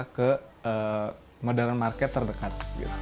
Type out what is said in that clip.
kita arahkan mereka ke modern market terdekat